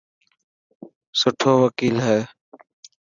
سٺو وڪيل هي.